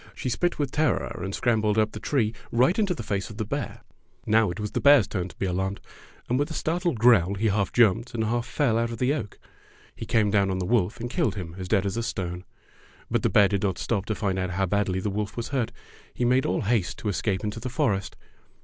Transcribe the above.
She spit with terror and scrambled up the tree right into the face of the bear. Now it 76 Fairy Tale Foxes was the bear's turn to be alarmed, and with a startled growl he half jumped and haK fell out of the oak. He came down on the wolf and killed him as dead as a stone. But the bear did not stop to find out how badly the wolf was hurt. He made all haste to escape into the forest.